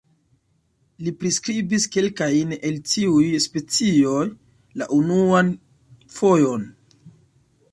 Li priskribis kelkajn el tiuj specioj la unuan fojon.